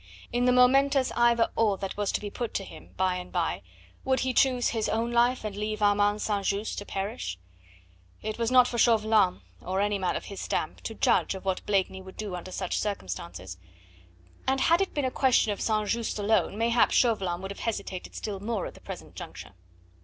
In the momentous "either or" that was to be put to him, by and by, would he choose his own life and leave Armand St. Just to perish? It was not for Chauvelin or any man of his stamp to judge of what Blakeney would do under such circumstances, and had it been a question of St. Just alone, mayhap Chauvelin would have hesitated still more at the present juncture.